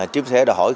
chúng tôi sẽ đòi hỏi